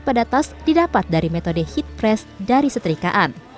pada tas didapat dari metode hit press dari setrikaan